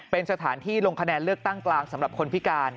เป็นสถานที่ลงคะแนนเลือกตั้งกลางสำหรับคนพิการ